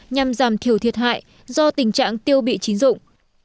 nhằm giảm thiểu thiệt hại do tình trạng tiêu bị chín rụng